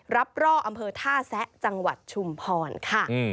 ร่ออำเภอท่าแซะจังหวัดชุมพรค่ะ